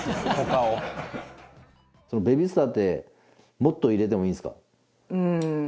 大久保：ベビースターってもっと入れてもいいんですか？